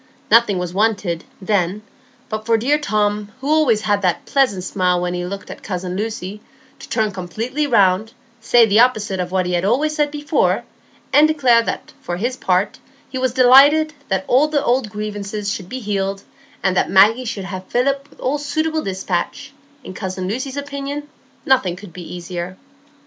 Nothing was wanted, then, but for dear Tom, who always had that pleasant smile when he looked at cousin Lucy, to turn completely round, say the opposite of what he had always said before, and declare that he, for his part, was delighted that all the old grievances should be healed, and that Maggie should have Philip with all suitable despatch; in cousin Lucy's opinion nothing could be easier.